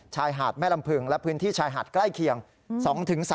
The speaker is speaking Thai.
ชายหาดแม่ลำพึงและพื้นที่ชายหาดใกล้เคียง